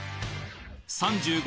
３５